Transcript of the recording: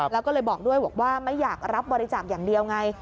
แล้วก็เลยบอกด้วยบอกว่าไม่อยากรับบริจาคอย่างเดียวไง